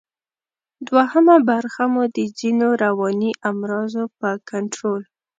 دوهمه برخه مو د ځینو رواني امراضو په کنټرول